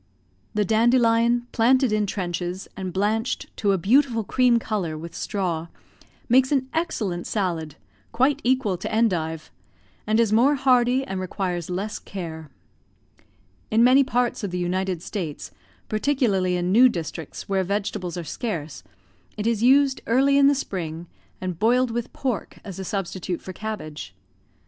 The dandelion planted in trenches, and blanched to a beautiful cream colour with straw, makes an excellent salad, quite equal to endive, and is more hardy and requires less care. In many parts of the United States, particularly in new districts where vegetables are scarce, it is used early in the spring, and boiled with pork as a substitute for cabbage.